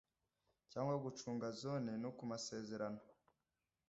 cyangwa gucunga Zone no ku masezerano.